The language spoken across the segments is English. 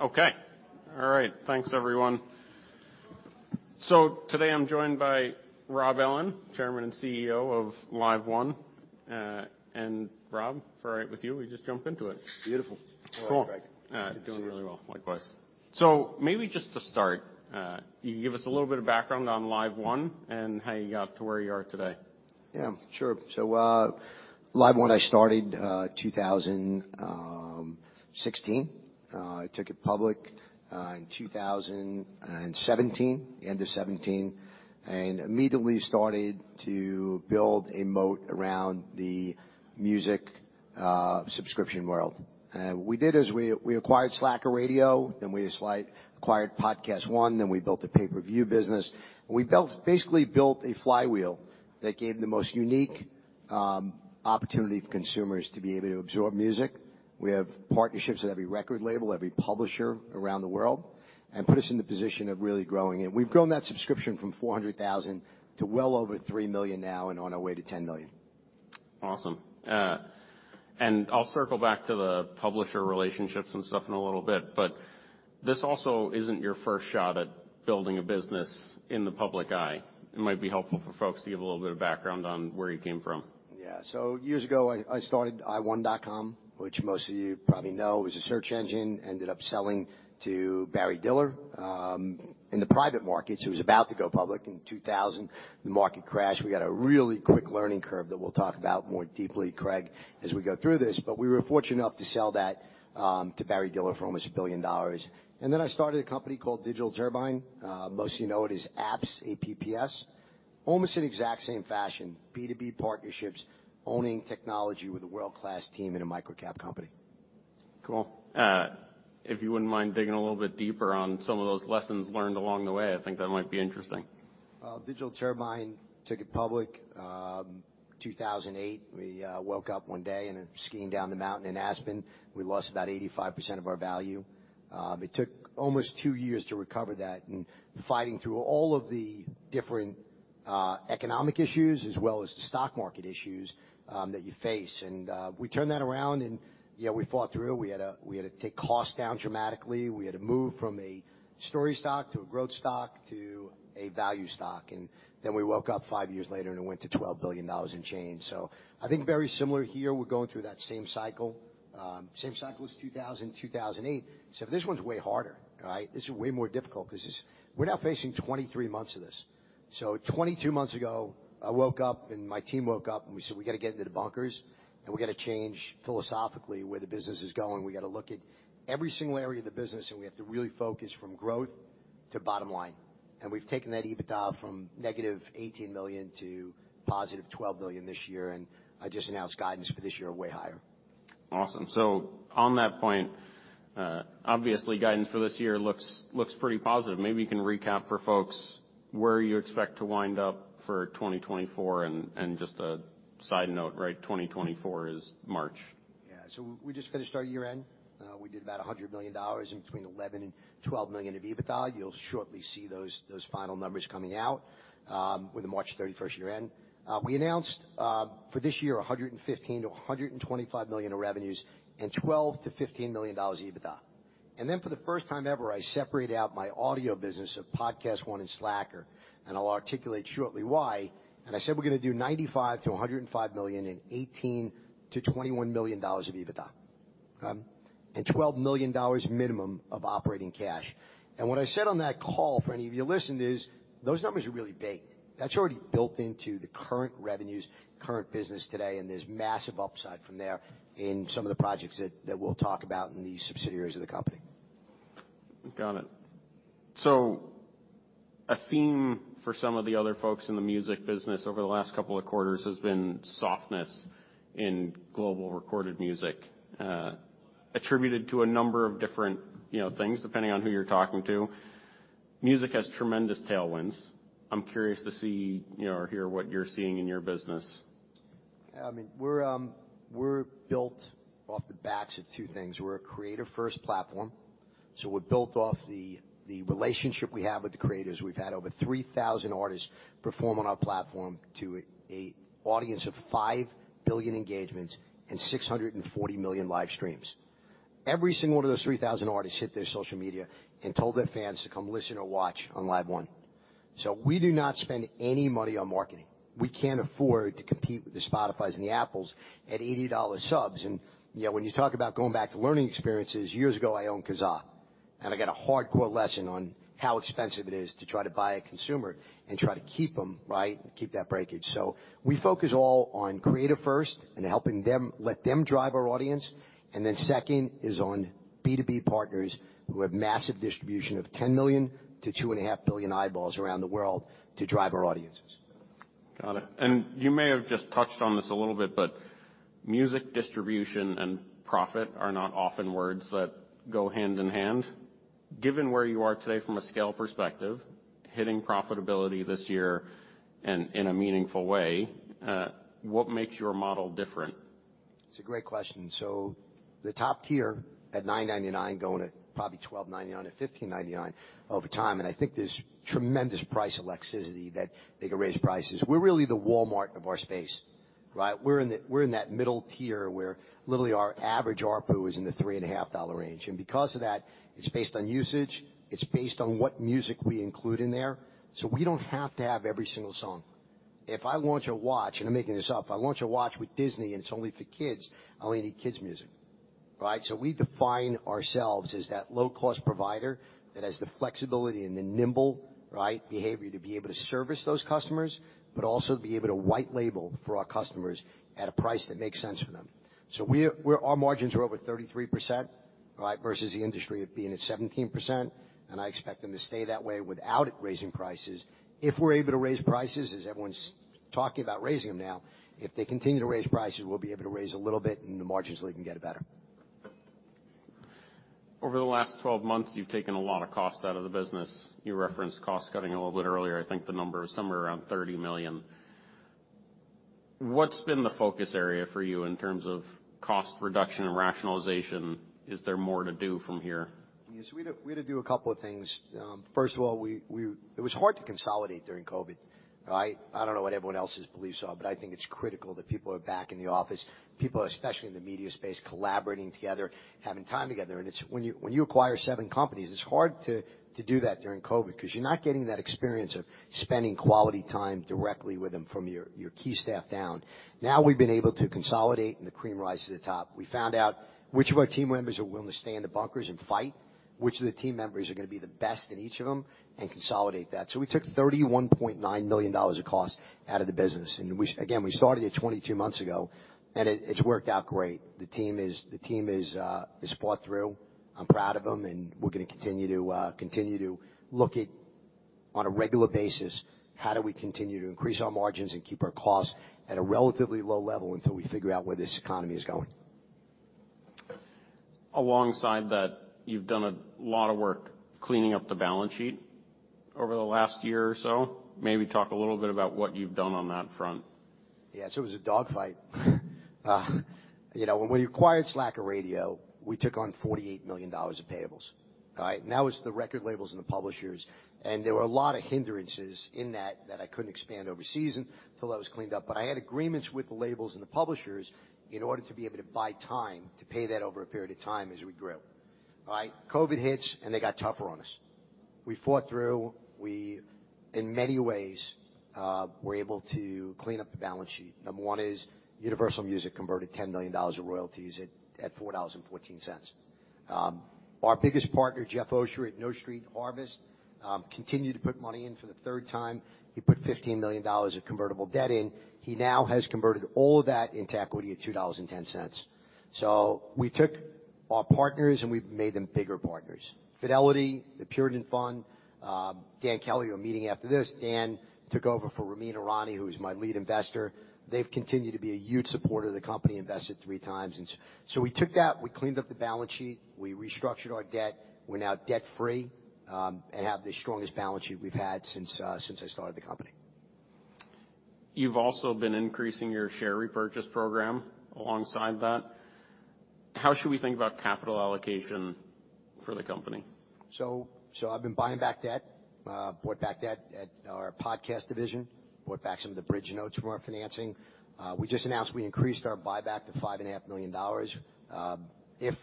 Okay. All right. Thanks, everyone. Today I'm joined by Rob Ellin, Chairman and CEO of LiveOne. Rob, if you're all right with me, we just jump into it. Beautiful. Cool. Hello, Craig. How are you doing? Doing really well. Likewise. Maybe just to start, you can give us a little bit of background on LiveOne and how you got to where you are today. Yeah, sure. LiveOne, I started 2016. I took it public in 2017, the end of 2017, and immediately started to build a moat around the music subscription world. What we did is we acquired Slacker Radio, then we acquired PodcastOne, then we built a pay-per-view business. We basically built a flywheel that gave the most unique opportunity for consumers to be able to absorb music. We have partnerships with every record label, every publisher around the world, and put us in the position of really growing. We've grown that subscription from 400,000 to well over 3 million now and on our way to 10 million. Awesome. I'll circle back to the publisher relationships and stuff in a little bit, but this also isn't your first shot at building a business in the public eye. It might be helpful for folks to give a little bit of background on where you came from. Yeah. Years ago, I started iWon.com, which most of you probably know was a search engine, ended up selling to Barry Diller. In the private markets, it was about to go public in 2000. The market crashed. We got a really quick learning curve that we'll talk about more deeply, Craig, as we go through this. We were fortunate enough to sell that to Barry Diller for almost $1 billion. I started a company called Digital Turbine. Most of you know it as APPS, A-P-P-S. Almost in the exact same fashion, B2B partnerships, owning technology with a world-class team in a microcap company. Cool. If you wouldn't mind digging a little bit deeper on some of those lessons learned along the way, I think that might be interesting. Digital Turbine took it public, 2008. We woke up one day and then skiing down the mountain in Aspen, we lost about 85% of our value. It took almost two years to recover that and fighting through all of the different economic issues as well as the stock market issues that you face. We turned that around and, you know, we fought through. We had to take costs down dramatically. We had to move from a story stock to a growth stock to a value stock. We woke up five years later and it went to $12 billion in change. I think very similar here, we're going through that same cycle. Same cycle as 2000 and 2008. This one's way harder, right? This is way more difficult 'cause this we're now facing 23 months of this. 22 months ago, I woke up and my team woke up and we said, "We gotta get into the bunkers and we gotta change philosophically where the business is going. We gotta look at every single area of the business, and we have to really focus from growth to bottom line." We've taken that EBITDA from negative $18 million to positive $12 million this year. I just announced guidance for this year way higher. Awesome. On that point, obviously guidance for this year looks pretty positive. Maybe you can recap for folks where you expect to wind up for 2024 and just a side note, right, 2024 is March. Yeah. We just finished our year-end. We did about $100 million in between $11 million and $12 million of EBITDA. You'll shortly see those final numbers coming out with the March 31st year-end. We announced for this year, $115 million-$125 million of revenues and $12 million-$15 million EBITDA. For the first time ever, I separated out my audio business of PodcastOne and Slacker, and I'll articulate shortly why. I said, we're gonna do $95 million-$105 million and $18 million-$21 million of EBITDA. Okay? $12 million minimum of operating cash. What I said on that call, for any of you listened, is those numbers are really big. That's already built into the current revenues, current business today, and there's massive upside from there in some of the projects that we'll talk about in the subsidiaries of the company. Got it. A theme for some of the other folks in the music business over the last couple of quarters has been softness in global recorded music, attributed to a number of different, you know, things, depending on who you're talking to. Music has tremendous tailwinds. I'm curious to see, you know, or hear what you're seeing in your business. I mean, we're built off the backs of two things. We're a creator-first platform, we're built off the relationship we have with the creators. We've had over 3,000 artists perform on our platform to a audience of 5 billion engagements and 640 million live streams. Every single one of those 3,000 artists hit their social media and told their fans to come listen or watch on LiveOne. We do not spend any money on marketing. We can't afford to compete with the Spotifys and the Apples at $80 subs. You know, when you talk about going back to learning experiences, years ago, I owned Kazaa, and I got a hardcore lesson on how expensive it is to try to buy a consumer and try to keep them, right? Keep that breakage. We focus all on creative first and helping them let them drive our audience. Second is on B2B partners who have massive distribution of 10 million to 2.5 billion eyeballs around the world to drive our audiences. Got it. You may have just touched on this a little bit, but music distribution and profit are not often words that go hand in hand. Given where you are today from a scale perspective, hitting profitability this year in a meaningful way, what makes your model different? It's a great question. The top tier at $9.99 going to probably $12.99-$15.99 over time, and I think there's tremendous price elasticity that they could raise prices. We're really the Walmart of our space. Right? We're in that middle tier where literally our average ARPU is in the $3.50 range. Because of that, it's based on usage, it's based on what music we include in there, so we don't have to have every single song. If I launch a watch, and I'm making this up, I launch a watch with Disney, and it's only for kids, I only need kids' music, right? We define ourselves as that low-cost provider that has the flexibility and the nimble, right, behavior to be able to service those customers, but also be able to white label for our customers at a price that makes sense for them. Our margins are over 33%, right? Versus the industry of being at 17%, and I expect them to stay that way without raising prices. If we're able to raise prices as everyone's talking about raising them now, if they continue to raise prices, we'll be able to raise a little bit and the margins will even get better. Over the last 12 months, you've taken a lot of cost out of the business. You referenced cost-cutting a little bit earlier. I think the number is somewhere around $30 million. What's been the focus area for you in terms of cost reduction and rationalization? Is there more to do from here? Yes, we had to do a couple of things. First of all, it was hard to consolidate during COVID, right? I don't know what everyone else's beliefs are, but I think it's critical that people are back in the office. People, especially in the media space, collaborating together, having time together. It's when you acquire seven companies, it's hard to do that during Covid because you're not getting that experience of spending quality time directly with them from your key staff down. Now, we've been able to consolidate and the cream rise to the top. We found out which of our team members are willing to stay in the bunkers and fight, which of the team members are gonna be the best in each of them and consolidate that. We took $31.9 million of cost out of the business. Again, we started it 22 months ago, and it's worked out great. The team is has fought through. I'm proud of them, and we're gonna continue to continue to look at on a regular basis how do we continue to increase our margins and keep our costs at a relatively low level until we figure out where this economy is going. Alongside that, you've done a lot of work cleaning up the balance sheet over the last year or so. Maybe talk a little bit about what you've done on that front? Yes, it was a dogfight. You know, when we acquired Slacker Radio, we took on $48 million of payables. All right? That was the record labels and the publishers, and there were a lot of hindrances in that I couldn't expand overseas until that was cleaned up. I had agreements with the labels and the publishers in order to be able to buy time to pay that over a period of time as we grew. Right? COVID hits, and they got tougher on us. We fought through. We, in many ways, were able to clean up the balance sheet. Number one is Universal Music converted $10 million of royalties at $4.14. Our biggest partner, Jeff Osher at No Street Harvest, continued to put money in for the third time. He put $15 million of convertible debt in. He now has converted all of that into equity at $2.10. We took our partners, and we've made them bigger partners. Fidelity, the Puritan Fund, Dan Kelly, we're meeting after this. Dan took over for Ramin Irani, who is my lead investor. They've continued to be a huge supporter of the company, invested three times. We took that, we cleaned up the balance sheet, we restructured our debt. We're now debt-free, and have the strongest balance sheet we've had since since I started the company. You've also been increasing your share repurchase program alongside that. How should we think about capital allocation for the company? I've been buying back debt. Bought back debt at our podcast division. Bought back some of the bridge notes from our financing. We just announced we increased our buyback to five and a half million dollars. If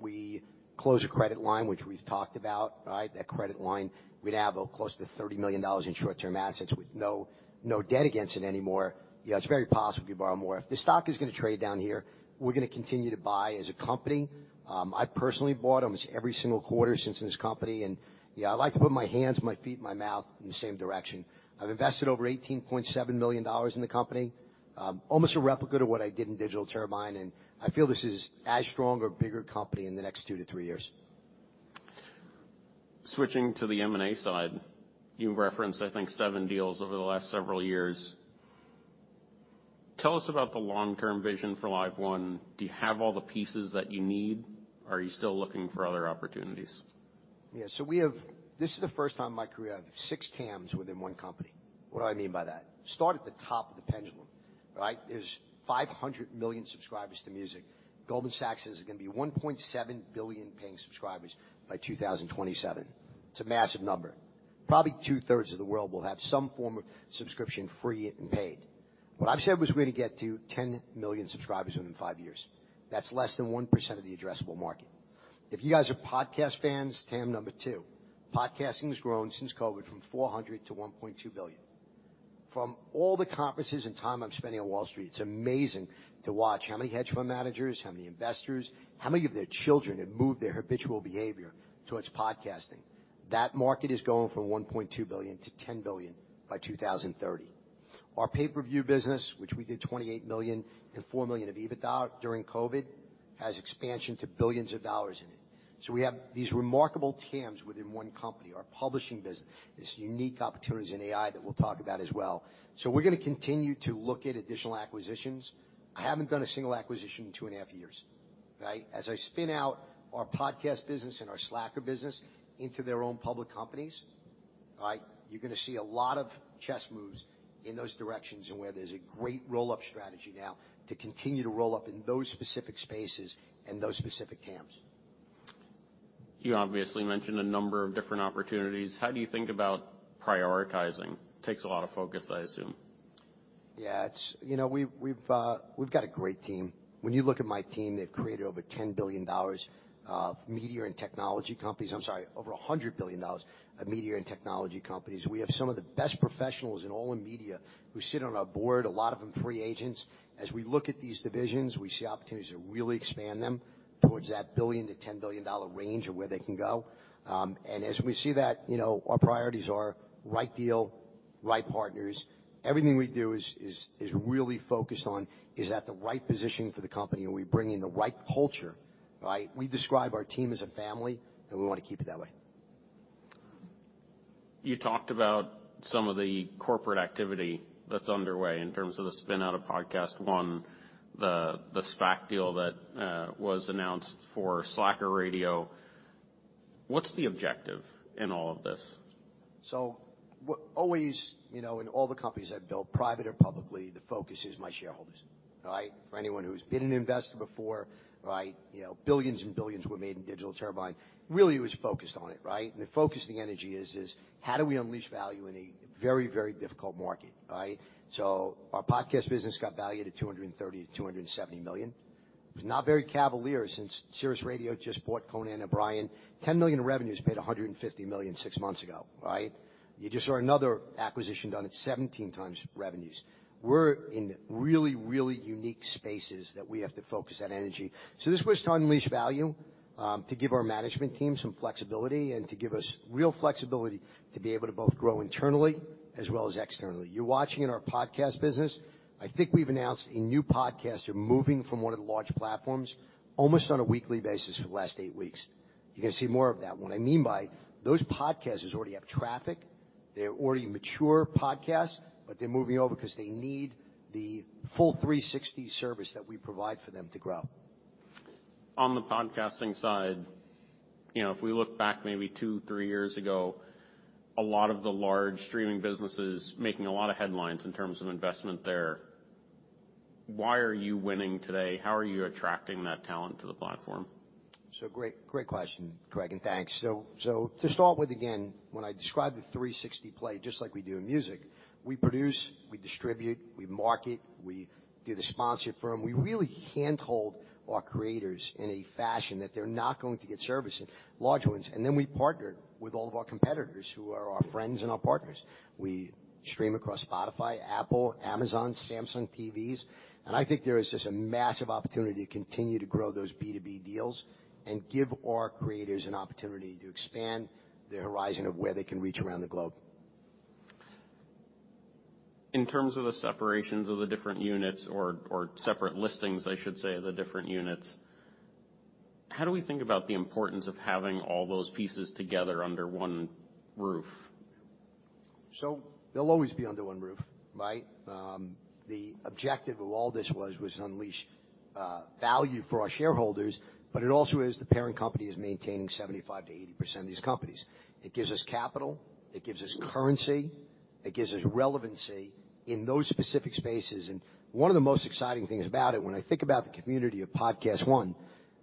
we close a credit line, which we've talked about, right, that credit line, we'd have close to $30 million in short-term assets with no debt against it anymore. You know, it's very possible could borrow more. If the stock is gonna trade down here, we're gonna continue to buy as a company. I've personally bought almost every single quarter since in this company. Yeah, I like to put my hands, my feet, and my mouth in the same direction. I've invested over $18.7 million in the company, almost a replica to what I did in Digital Turbine. I feel this is as strong or bigger company in the next two to three years. Switching to the M&A side. You've referenced, I think, seven deals over the last several years. Tell us about the long-term vision for LiveOne. Do you have all the pieces that you need, or are you still looking for other opportunities? This is the first time in my career I have six TAMs within one company. What do I mean by that? Start at the top of the pendulum, right? There's 500 million subscribers to music. Goldman Sachs says it's gonna be 1.7 billion paying subscribers by 2027. It's a massive number. Probably 2/3 of the world will have some form of subscription, free and paid. What I've said was we're gonna get to 10 million subscribers within five years. That's less than 1% of the addressable market. If you guys are podcast fans, TAM number two. Podcasting has grown since COVID from 400 to 1.2 billion. From all the conferences and time I'm spending on Wall Street, it's amazing to watch how many hedge fund managers, how many investors, how many of their children have moved their habitual behavior towards podcasting. That market is going from $1.2 billion-$10 billion by 2030. Our pay-per-view business, which we did $28 million and $4 million of EBITDA during Covid, has expansion to billions of dollars in it. We have these remarkable TAMs within one company. Our publishing business is unique opportunities in AI that we'll talk about as well. We're gonna continue to look at additional acquisitions. I haven't done a single acquisition in two and a half years, right? As I spin out our podcast business and our Slacker business into their own public companies, right? You're gonna see a lot of chess moves in those directions and where there's a great roll-up strategy now to continue to roll up in those specific spaces and those specific TAMs. You obviously mentioned a number of different opportunities. How do you think about prioritizing? Takes a lot of focus, I assume. Yeah, it's, you know, we've got a great team. When you look at my team, they've created over $10 billion of media and technology companies. I'm sorry, over $100 billion of media and technology companies. We have some of the best professionals in all of media who sit on our board, a lot of them free agents. As we look at these divisions, we see opportunities to really expand them towards that $1 billion-$10 billion range of where they can go. As we see that, you know, our priorities are right deal, right partners. Everything we do is really focused on, is that the right positioning for the company, and are we bringing the right culture, right? We describe our team as a family, and we wanna keep it that way. You talked about some of the corporate activity that's underway in terms of the spin-out of PodcastOne, the SPAC deal that was announced for Slacker Radio. What's the objective in all of this? Always, you know, in all the companies I've built, private or publicly, the focus is my shareholders, right? For anyone who's been an investor before, right, you know, billions and billions were made in Digital Turbine. Really was focused on it, right? The focus the energy is, how do we unleash value in a very, very difficult market, right? Our podcast business got valued at $230 million-$270 million. It was not very cavalier since Sirius Radio just bought Conan O'Brien. $10 million revenues paid $150 million six months ago, right? You just saw another acquisition done at 17x revenues. We're in really, really unique spaces that we have to focus that energy. This was to unleash value, to give our management team some flexibility and to give us real flexibility to be able to both grow internally as well as externally. You're watching in our podcast business. I think we've announced a new podcast. We're moving from one of the large platforms almost on a weekly basis for the last eight weeks. You're gonna see more of that. What I mean by those podcasts is already have traffic. They're already mature podcasts, but they're moving over because they need the full 360 service that we provide for them to grow. On the podcasting side, you know, if we look back maybe two, three years ago, a lot of the large streaming businesses making a lot of headlines in terms of investment there. Why are you winning today? How are you attracting that talent to the platform? Great question, Craig, and thanks. To start with, again, when I describe the 360 play, just like we do in music, we produce, we distribute, we market, we get a sponsor firm. We really handhold our creators in a fashion that they're not going to get servicing large ones. Then we partner with all of our competitors who are our friends and our partners. We stream across Spotify, Apple, Amazon, Samsung TVs, there is just a massive opportunity to continue to grow those B2B deals and give our creators an opportunity to expand their horizon of where they can reach around the globe. In terms of the separations of the different units or separate listings, I should say, the different units, how do we think about the importance of having all those pieces together under one roof? They'll always be under one roof, right? The objective of all this was unleash value for our shareholders, it also is the parent company is maintaining 75%-80% of these companies. It gives us capital, it gives us currency, it gives us relevancy in those specific spaces. One of the most exciting things about it, when I think about the community of PodcastOne,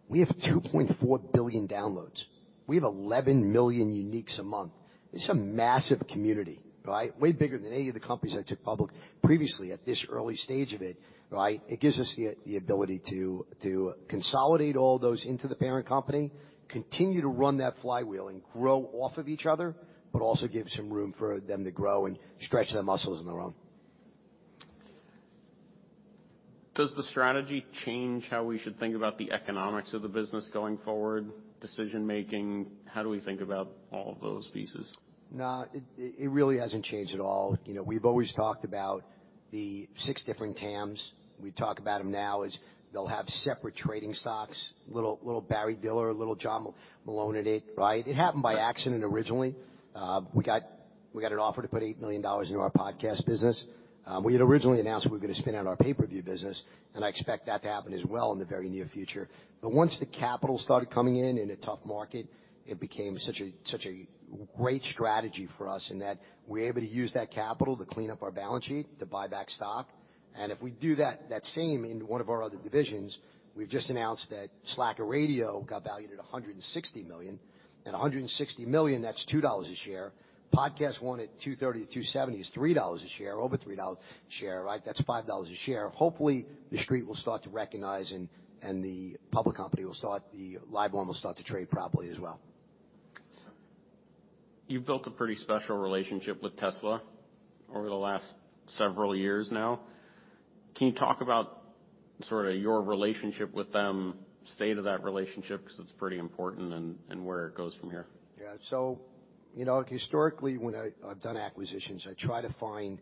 we have 2.4 billion downloads. We have 11 million uniques a month. This is a massive community, right? Way bigger than any of the companies I took public previously at this early stage of it, right? It gives us the ability to consolidate all those into the parent company, continue to run that flywheel and grow off of each other, but also give some room for them to grow and stretch their muscles on their own. Does the strategy change how we should think about the economics of the business going forward, decision-making? How do we think about all of those pieces? No, it really hasn't changed at all. You know, we've always talked about the six different TAMs. We talk about them now as they'll have separate trading stocks. Little Barry Diller, little John Malone in it, right? It happened by accident originally. We got an offer to put $8 million into our podcast business. We had originally announced we were gonna spin out our pay-per-view business, and I expect that to happen as well in the very near future. Once the capital started coming in in a tough market, it became such a great strategy for us in that we're able to use that capital to clean up our balance sheet, to buy back stock. If we do that same in one of our other divisions, we've just announced that Slacker Radio got valued at $160 million. $160 million, that's $2 a share. PodcastOne at 230, 270 is $3 a share, over $3 a share, right? That's $5 a share. Hopefully, the street will start to recognize and LiveOne will start to trade properly as well. You've built a pretty special relationship with Tesla over the last several years now. Can you talk about sort of your relationship with them, state of that relationship, because it's pretty important and where it goes from here? Yeah, you know, historically, when I've done acquisitions, I try to find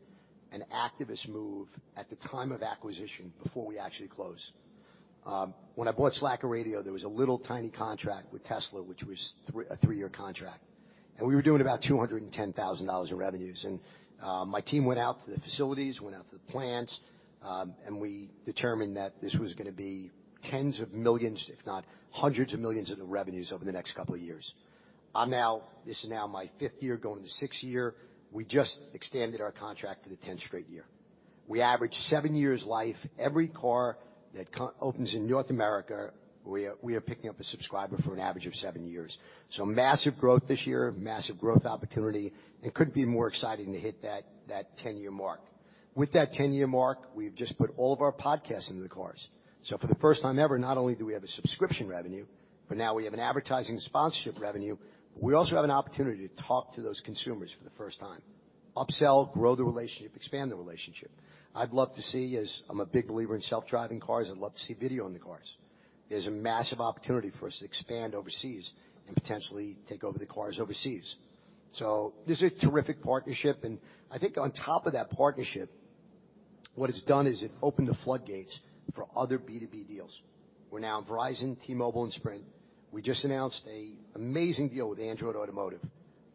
an activist move at the time of acquisition before we actually close. When I bought Slacker Radio, there was a little tiny contract with Tesla, which was a 3-year contract, we were doing about $210,000 in revenues. My team went out to the facilities, went out to the plants, we determined that this was going to be $10s of millions, if not $100s of millions, of the revenues over the next couple of years. This is now my fifth year going to sixth year. We just extended our contract for the tenth straight year. We average seven years life. Every car that opens in North America, we are picking up a subscriber for an average of seven years. Massive growth this year, massive growth opportunity, and couldn't be more exciting to hit that 10-year mark. With that 10-year mark, we've just put all of our podcasts into the cars. For the first time ever, not only do we have a subscription revenue, but now we have an advertising sponsorship revenue. We also have an opportunity to talk to those consumers for the first time. Upsell, grow the relationship, expand the relationship. I'd love to see as I'm a big believer in self-driving cars, I'd love to see video in the cars. There's a massive opportunity for us to expand overseas and potentially take over the cars overseas. This is a terrific partnership, and I think on top of that partnership, what it's done is it opened the floodgates for other B2B deals. We're now in Verizon, T-Mobile and Sprint. We just announced a amazing deal with Android Automotive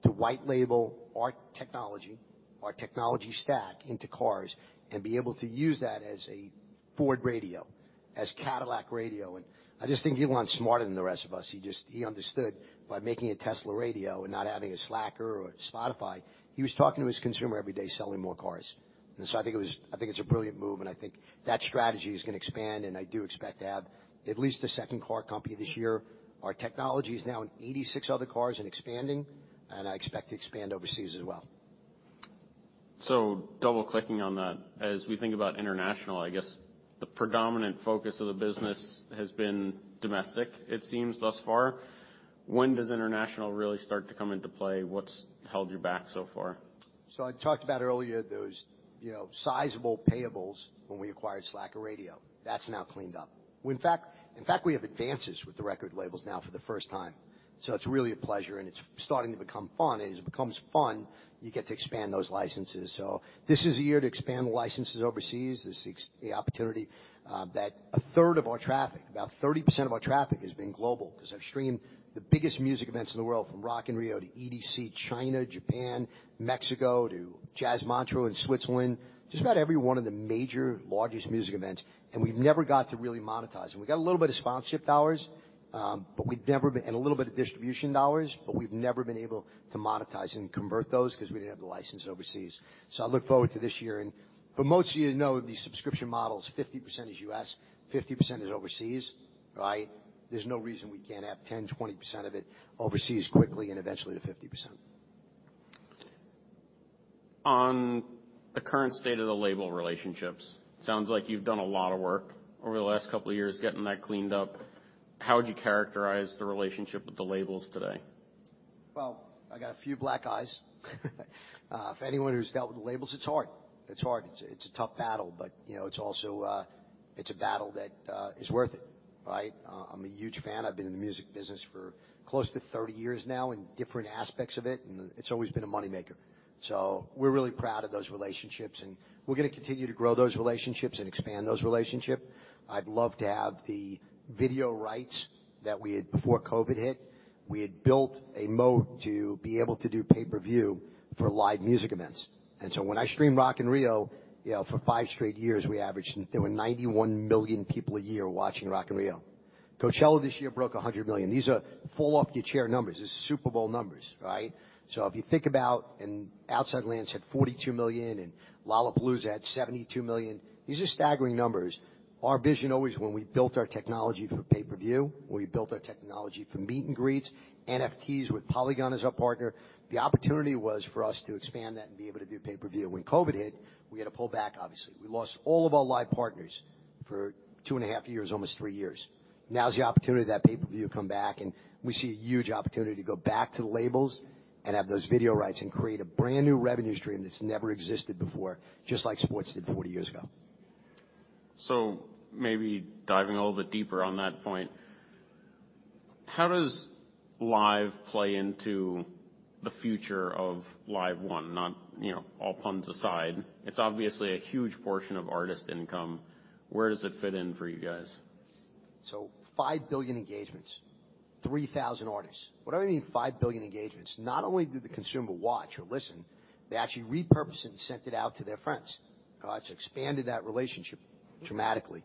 to white label our technology, our technology stack into cars and be able to use that as a Ford Radio, as Cadillac Radio. I just think Elon's smarter than the rest of us. He understood by making a Tesla radio and not having a Slacker or Spotify, he was talking to his consumer every day, selling more cars. I think it's a brilliant move, and I think that strategy is gonna expand, and I do expect to have at least a second car company this year. Our technology is now in 86 other cars and expanding. I expect to expand overseas as well. Double-clicking on that, as we think about international, I guess the predominant focus of the business has been domestic, it seems thus far. When does international really start to come into play? What's held you back so far? I talked about earlier those, you know, sizable payables when we acquired Slacker Radio. That's now cleaned up. We in fact, we have advances with the record labels now for the first time. It's really a pleasure, and it's starting to become fun. As it becomes fun, you get to expand those licenses. This is a year to expand the licenses overseas. The opportunity, that a third of our traffic, about 30% of our traffic has been global because I've streamed the biggest music events in the world from Rock in Rio to EDC, China, Japan, Mexico, to Jazz Montreux in Switzerland, just about every one of the major largest music events, and we've never got to really monetize them. We got a little bit of sponsorship dollars, but we've never been... A little bit of distribution dollars, but we've never been able to monetize and convert those because we didn't have the licenses overseas. I look forward to this year. For most of you to know, the subscription model is 50% is U.S., 50% is overseas, right? There's no reason we can't have 10%, 20% of it overseas quickly and eventually to 50%. On the current state of the label relationships, sounds like you've done a lot of work over the last couple of years getting that cleaned up. How would you characterize the relationship with the labels today? Well, I got a few black eyes. For anyone who's dealt with the labels, it's hard. It's hard. It's a tough battle, you know, it's also a battle that is worth it, right? I'm a huge fan. I've been in the music business for close to 30 years now in different aspects of it's always been a moneymaker. We're really proud of those relationships, we're gonna continue to grow those relationships and expand those relationship. I'd love to have the video rights that we had before COVID hit. We had built a mode to be able to do pay-per-view for live music events. When I streamed Rock in Rio, you know, for 5 straight years, we averaged... There were 91 million people a year watching Rock in Rio. Coachella this year broke 100 million. These are fall off your chair numbers. These are Super Bowl numbers, right? If you think about, Outside Lands had $42 million and Lollapalooza had $72 million. These are staggering numbers. Our vision always when we built our technology for pay-per-view, when we built our technology for meet and greets, NFTs with Polygon as our partner, the opportunity was for us to expand that and be able to do pay-per-view. When COVID hit, we had to pull back obviously. We lost all of our live partners for two and a half years, almost three years. Now's the opportunity that pay-per-view come back, we see a huge opportunity to go back to the labels and have those video rights and create a brand-new revenue stream that's never existed before, just like sports did 40 years ago. Maybe diving a little bit deeper on that point, how does live play into the future of LiveOne? Not, you know, all puns aside. It's obviously a huge portion of artist income. Where does it fit in for you guys? Five billion engagements, 3,000 artists. What do I mean five billion engagements? Not only did the consumer watch or listen, they actually repurposed it and sent it out to their friends. It's expanded that relationship dramatically.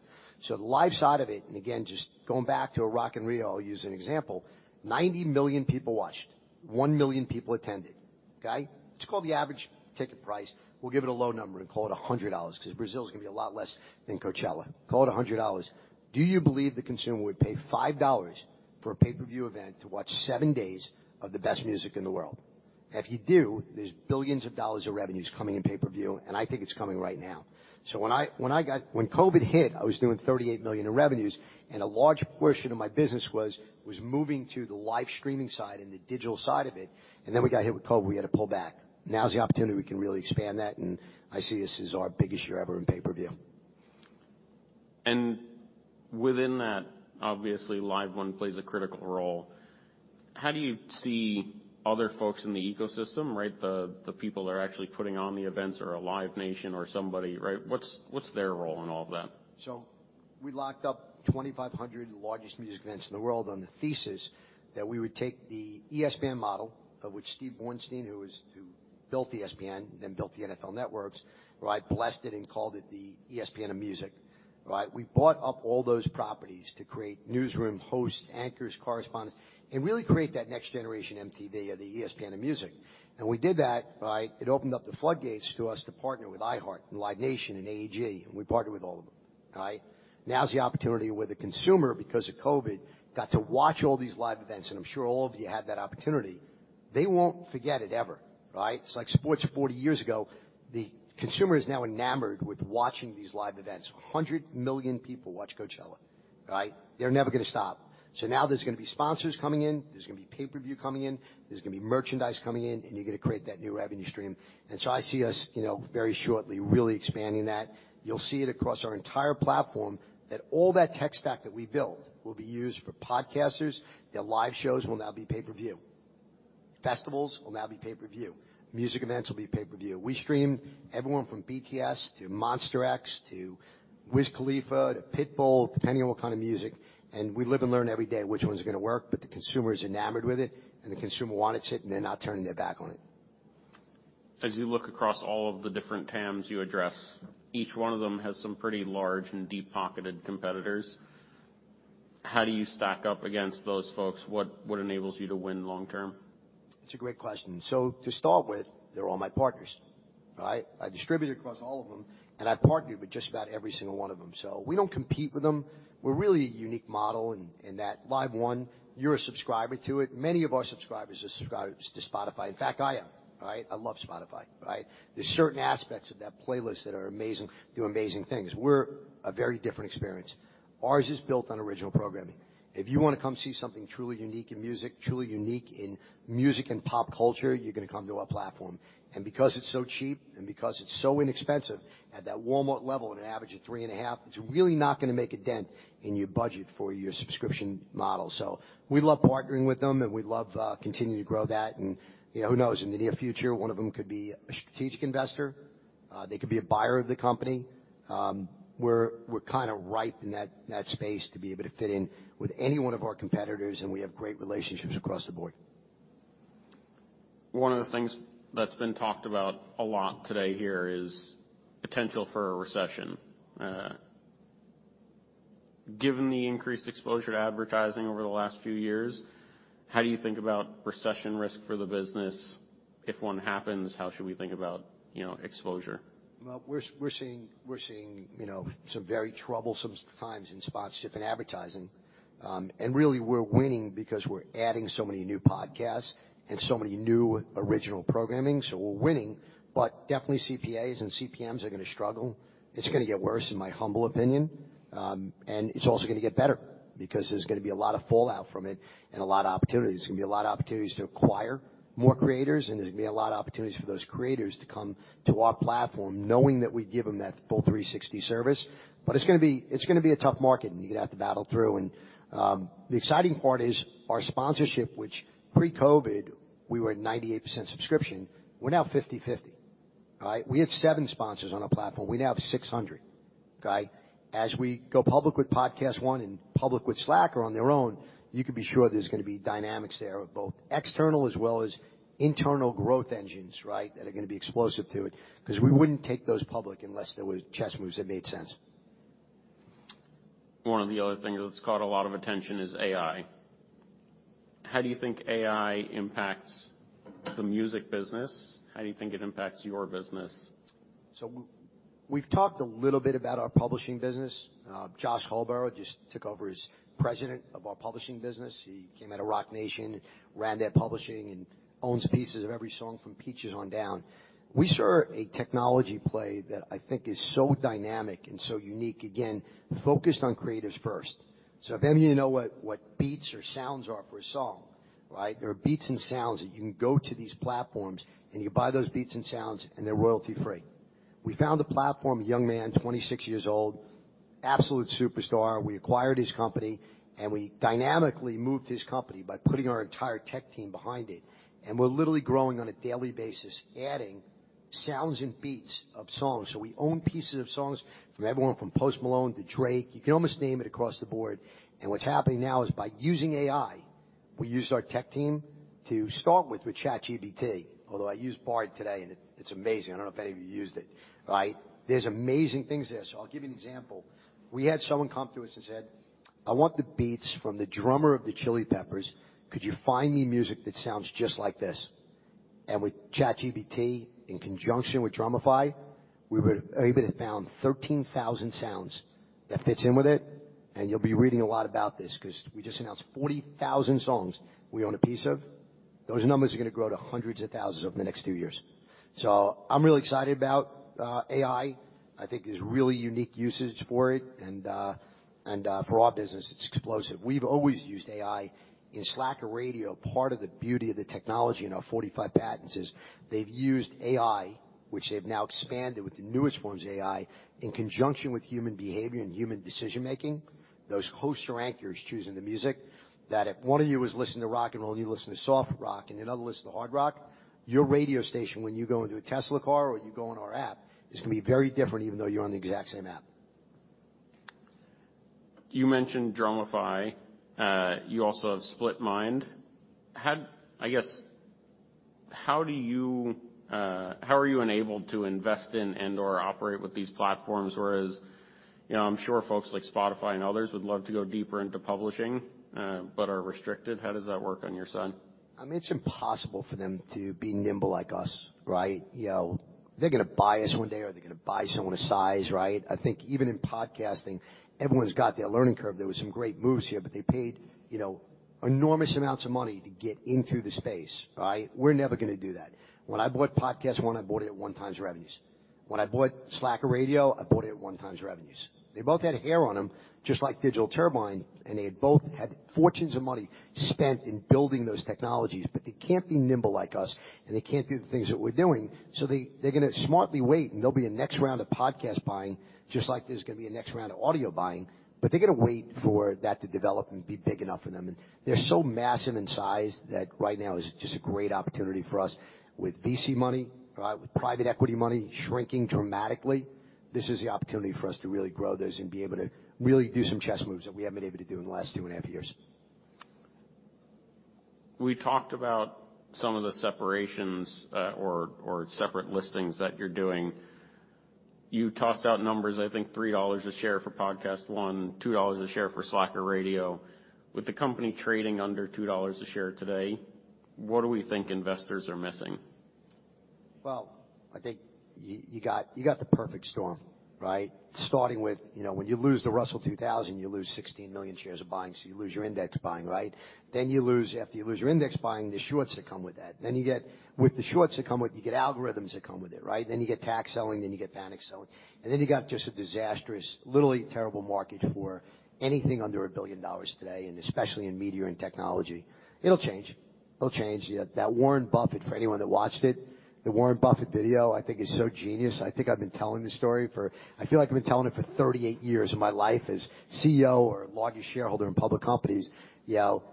The live side of it, and again, just going back to a Rock in Rio, I'll use an example. 90 million people watched. 1 million people attended, okay? Let's call the average ticket price. We'll give it a low number and call it $100 because Brazil's gonna be a lot less than Coachella. Call it $100. Do you believe the consumer would pay $5 for a pay-per-view event to watch seven days of the best music in the world? If you do, there's billions of dollars of revenues coming in pay-per-view, and I think it's coming right now. When I got when COVID hit, I was doing $38 million in revenues, and a large portion of my business was moving to the live streaming side and the digital side of it, and then we got hit with COVID. We had to pull back. Now's the opportunity we can really expand that, and I see this as our biggest year ever in pay-per-view. Within that, obviously, LiveOne plays a critical role. How do you see other folks in the ecosystem, right? The people that are actually putting on the events or a Live Nation or somebody, right? What's their role in all of that? We locked up 2,500 largest music events in the world on the thesis that we would take the ESPN model, of which Steve Bornstein, who built ESPN, then built the NFL Network, right? Blessed it and called it the ESPN of music. Right? We bought up all those properties to create newsroom hosts, anchors, correspondents, and really create that next generation MTV or the ESPN of music. We did that, right? It opened up the floodgates to us to partner with iHeart and Live Nation and AEG, and we partner with all of them, right? Now is the opportunity where the consumer, because of COVID, got to watch all these live events, and I'm sure all of you had that opportunity. They won't forget it ever, right? It's like sports 40 years ago. The consumer is now enamored with watching these live events. 100 million people watch Coachella, right? They're never gonna stop. Now there's gonna be sponsors coming in. There's gonna be pay-per-view coming in. There's gonna be merchandise coming in, and you're gonna create that new revenue stream. I see us, you know, very shortly, really expanding that. You'll see it across our entire platform, that all that tech stack that we built will be used for podcasters. Their live shows will now be pay-per-view. Festivals will now be pay-per-view. Music events will be pay-per-view. We stream everyone from BTS to Monsta X to Wiz Khalifa to Pitbull, depending on what kind of music, and we live and learn every day which ones are gonna work, but the consumer is enamored with it, and the consumer wants it, and they're not turning their back on it. As you look across all of the different TAMs you address, each one of them has some pretty large and deep-pocketed competitors. How do you stack up against those folks? What enables you to win long term? It's a great question. To start with, they're all my partners, right? I distribute across all of them, and I partner with just about every single one of them. We don't compete with them. We're really a unique model in that LiveOne, you're a subscriber to it. Many of our subscribers are subscribers to Spotify. In fact, I am, right? I love Spotify, right? There's certain aspects of that playlist that are amazing, do amazing things. We're a very different experience. Ours is built on original programming. If you wanna come see something truly unique in music, truly unique in music and pop culture, you're gonna come to our platform. Because it's so cheap and because it's so inexpensive, at that Walmart level, at an average of $3.50, it's really not gonna make a dent in your budget for your subscription model. We love partnering with them, and we love continuing to grow that. you know, who knows? In the near future, one of them could be a strategic investor. They could be a buyer of the company. We're kinda ripe in that space to be able to fit in with any one of our competitors, and we have great relationships across the board. One of the things that's been talked about a lot today here is potential for a recession. Given the increased exposure to advertising over the last few years, how do you think about recession risk for the business? If one happens, how should we think about, you know, exposure? Well, we're seeing, you know, some very troublesome times in sponsorship and advertising. Really, we're winning because we're adding so many new podcasts and so many new original programming. We're winning. Definitely CPAs and CPMs are gonna struggle. It's gonna get worse, in my humble opinion. It's also gonna get better because there's gonna be a lot of fallout from it and a lot of opportunities. There's gonna be a lot of opportunities to acquire more creators. There's gonna be a lot of opportunities for those creators to come to our platform knowing that we give them that full 360 service. It's gonna be a tough market, and you're gonna have to battle through. The exciting part is our sponsorship, which pre-COVID, we were at 98% subscription. We're now 50/50. All right? We had seven sponsors on our platform. We now have 600. Okay? As we go public with PodcastOne and public with Slacker on their own, you can be sure there's gonna be dynamics there of both external as well as internal growth engines, right? That are gonna be explosive to it 'cause we wouldn't take those public unless there was chess moves that made sense. One of the other things that's caught a lot of attention is AI. How do you think AI impacts the music business? How do you think it impacts your business? We've talked a little bit about our publishing business. Josh Hallbauer just took over as President of our publishing business. He came out of Roc Nation, ran their publishing, and owns pieces of every song from Peaches on down. We saw a technology play that I think is so dynamic and so unique, again, focused on creatives first. If any of you know what beats or sounds are for a song, right? There are beats and sounds that you can go to these platforms, and you buy those beats and sounds, and they're royalty-free. We found the platform, a young man, 26 years old, absolute superstar. We acquired his company, and we dynamically moved his company by putting our entire tech team behind it. We're literally growing on a daily basis, adding sounds and beats of songs. We own pieces of songs from everyone from Post Malone to Drake. You can almost name it across the board. What's happening now is by using AI, we used our tech team to start with ChatGPT, although I used Bard today, and it's amazing. I don't know if any of you used it. Right? There's amazing things there. I'll give you an example. We had someone come to us and said, "I want the beats from the drummer of the Chili Peppers. Could you find me music that sounds just like this?" With ChatGPT in conjunction with Drumify, we were able to found 13,000 sounds that fits in with it, and you'll be reading a lot about this 'cause we just announced 40,000 songs we own a piece of. Those numbers are gonna grow to hundreds of thousands over the next few years. I'm really excited about AI. I think there's really unique usage for it and for our business, it's explosive. We've always used AI. In Slacker Radio, part of the beauty of the technology in our 45 patents is they've used AI, which they've now expanded with the newest forms of AI, in conjunction with human behavior and human decision-making. Those hosts or anchors choosing the music, that if one of you is listening to rock and roll and you listen to soft rock and another listen to hard rock, your radio station when you go into a Tesla car or you go on our app is gonna be very different, even though you're on the exact same app. You mentioned Dramify. You also have Splitmind. I guess, how do you, how are you enabled to invest in and or operate with these platforms? Whereas, you know, I'm sure folks like Spotify and others would love to go deeper into publishing, but are restricted. How does that work on your side? I mean, it's impossible for them to be nimble like us, right? You know, they're gonna buy us one day or they're gonna buy someone to size, right? I think even in podcasting, everyone's got their learning curve. There were some great moves here, but they paid, you know, enormous amounts of money to get into the space, right? We're never gonna do that. When I bought PodcastOne, I bought it at 1x revenues. When I bought Slacker Radio, I bought it at 1x revenues. They both had hair on them, just like Digital Turbine, and they both had fortunes of money spent in building those technologies. They can't be nimble like us, and they can't do the things that we're doing. They're gonna smartly wait, and there'll be a next round of podcast buying, just like there's gonna be a next round of audio buying. They're gonna wait for that to develop and be big enough for them. They're so massive in size that right now is just a great opportunity for us with VC money, with private equity money shrinking dramatically. This is the opportunity for us to really grow this and be able to really do some chess moves that we haven't been able to do in the last two and a half years. We talked about some of the separations, or separate listings that you're doing. You tossed out numbers, I think $3 a share for PodcastOne, $2 a share for Slacker Radio. With the company trading under $2 a share today, what do we think investors are missing? Well, I think you got the perfect storm, right? Starting with, you know, when you lose the Russell 2000, you lose 16 million shares of buying, you lose your index buying, right? After you lose your index buying, the shorts that come with that. You get, with the shorts that come with it, you get algorithms that come with it, right? You get tax selling, you get panic selling. You got just a disastrous, literally terrible market for anything under $1 billion today, and especially in media and technology. It'll change. It'll change. That Warren Buffett, for anyone that watched it, the Warren Buffett video I think is so genius. I think I've been telling this story for... I feel like I've been telling it for 38 years of my life as CEO or largest shareholder in public companies. You know,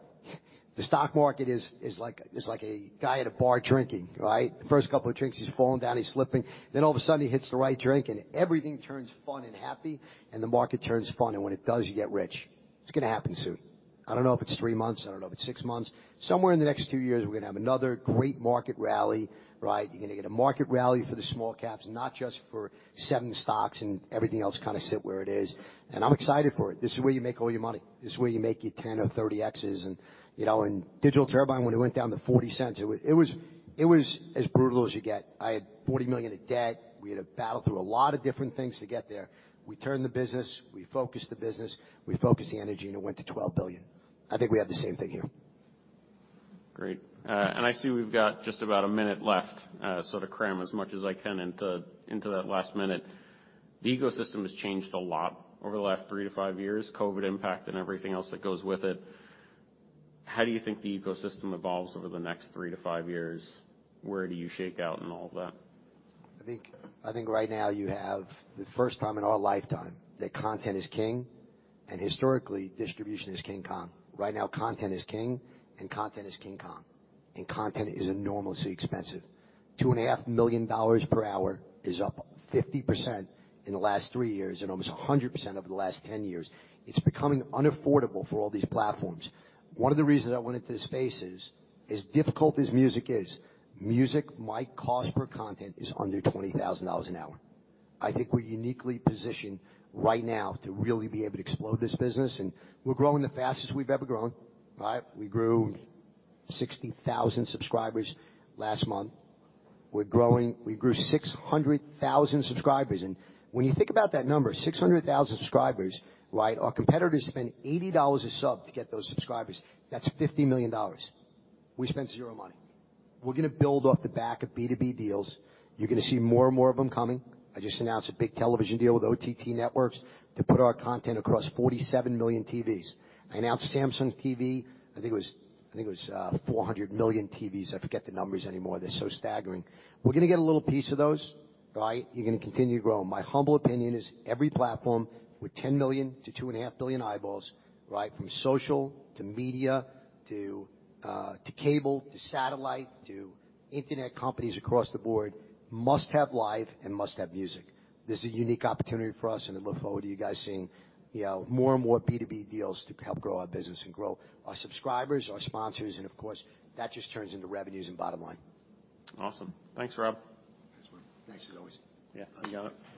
the stock market is like a guy at a bar drinking, right? The first couple of drinks, he's falling down, he's slipping. All of a sudden, he hits the right drink and everything turns fun and happy, and the market turns fun. When it does, you get rich. It's gonna happen soon. I don't know if it's three months, I don't know if it's six months. Somewhere in the next two years, we're gonna have another great market rally, right? You're gonna get a market rally for the small caps, not just for seven stocks and everything else kinda sit where it is. I'm excited for it. This is where you make all your money. This is where you make your 10 or 30 xs. you know, Digital Turbine, when it went down to $0.40, it was as brutal as you get. I had $40 million in debt. We had to battle through a lot of different things to get there. We turned the business. We focused the business. We focused the energy, and it went to $12 billion. I think we have the same thing here. Great. I see we've got just about a minute left, so to cram as much as I can into that last minute. The ecosystem has changed a lot over the last 3-5 years, COVID impact and everything else that goes with it. How do you think the ecosystem evolves over the next 3-5 years? Where do you shake out in all of that? I think right now you have the first time in our lifetime that content is king. Historically, distribution is King Kong. Right now content is king, and content is King Kong. Content is enormously expensive. $2.5 million per hour is up 50% in the last three years and almost 100% over the last 10 years. It's becoming unaffordable for all these platforms. One of the reasons I went into this space is, as difficult as music is, music, my cost per content is under $20,000 an hour. I think we're uniquely positioned right now to really be able to explode this business, and we're growing the fastest we've ever grown, right? We grew 60,000 subscribers last month. We're growing. We grew 600,000 subscribers. When you think about that number, 600,000 subscribers, right? Our competitors spend $80 a sub to get those subscribers. That's $50 million. We spent zero money. We're gonna build off the back of B2B deals. You're gonna see more and more of them coming. I just announced a big television deal with OTT networks to put our content across 47 million TVs. I announced Samsung TV. I think it was, I think it was 400 million TVs. I forget the numbers anymore. They're so staggering. We're gonna get a little piece of those, right? You're gonna continue to grow. My humble opinion is every platform with 10 million to 2.5 billion eyeballs, right, from social to media to cable, to satellite, to internet companies across the board, must have live and must have music. This is a unique opportunity for us, and I look forward to you guys seeing, you know, more and more B2B deals to help grow our business and grow our subscribers, our sponsors, and of course, that just turns into revenues and bottom line. Awesome. Thanks, Rob. Thanks, man. Nice as always. Yeah. You got it.